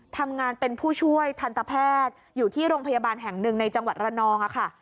ทำงานเป็นผู้ช่วยทันตแพทย์อยู่ที่โรงพยาบาลแห่งหนึ่งในจังหวัดระนองค่ะ